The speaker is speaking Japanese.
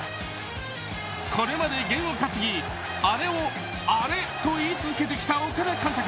これまで験を担ぎ、アレを「アレ」と言い続けてきた岡田監督。